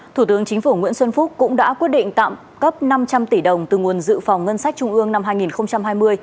thủ tướng chính phủ nguyễn xuân phúc cũng đã quyết định tạm cấp năm trăm linh tỷ đồng từ nguồn dự phòng ngân sách trung ương năm hai nghìn hai mươi